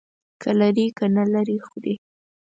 که لري، که نه لري، خوري.